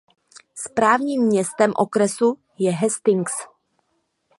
Správním městem okresu je Hastings.